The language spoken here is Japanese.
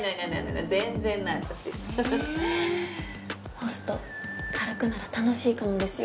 ホスト軽くなら楽しいかもですよ。